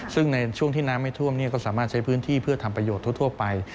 ซึ่งในช่วงที่น้ำไม่ท่วมก็สามารถใช้พื้นที่เพื่อทำประโยชน์ทั่วไป